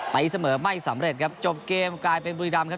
ตีเสมอไม่สำเร็จครับจบเกมกลายเป็นบุรีดำครับ